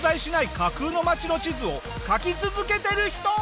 架空の街の地図を描き続けてる人。